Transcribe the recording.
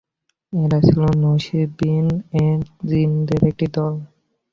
এরা ছিল নসীবীন-এর জিনদের একটি দল।